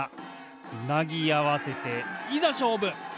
つなぎあわせていざしょうぶ！